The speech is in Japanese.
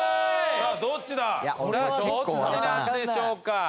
さあどっちなんでしょうか？